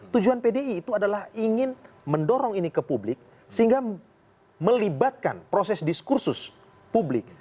tujuan pdi itu adalah ingin mendorong ini ke publik sehingga melibatkan proses diskursus publik